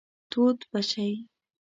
تود به شئ.